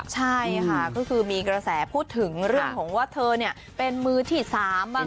ใช่ค่ะก็คือมีกระแสพูดถึงเรื่องของว่าเธอเป็นมือที่๓บ้าง